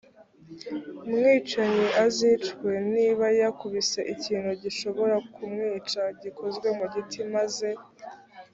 mwicanyi azicwe niba yamukubise ikintu gishobora kumwica gikozwe mu giti maze